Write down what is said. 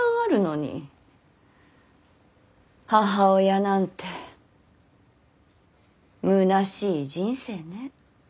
母親なんてむなしい人生ね。